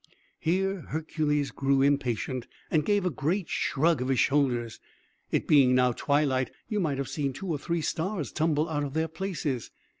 Here Hercules grew impatient, and gave a great shrug of his shoulders. It being now twilight, you might have seen two or three stars tumble out of their places.